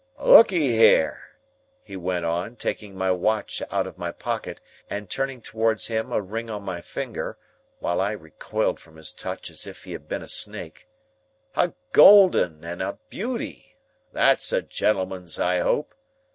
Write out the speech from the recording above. "Look'ee here!" he went on, taking my watch out of my pocket, and turning towards him a ring on my finger, while I recoiled from his touch as if he had been a snake, "a gold 'un and a beauty: that's a gentleman's, I hope!